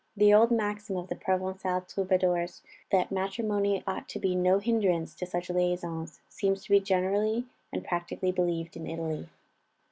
The old maxim of the Provençal troubadours, that matrimony ought to be no hindrance to such liaisons, seems to be generally and practically believed in Italy.